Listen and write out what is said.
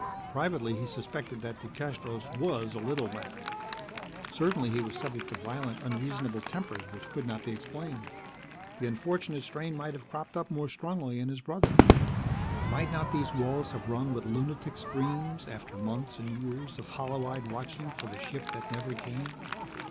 Privately, he suspected that DeCastros was a little mad. Certainly he was subject to violent, unreasonable tempers which could not be explained. The unfortunate strain might have cropped up more strongly in his brother. Might not these walls have rung with lunatic screams after months and years of hollow eyed watching for the ship that never came?